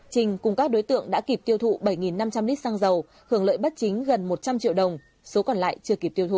trình cùng các đối tượng đã kịp tiêu thụ bảy năm trăm linh lít xăng dầu hưởng lợi bất chính gần một trăm linh triệu đồng số còn lại chưa kịp tiêu thụ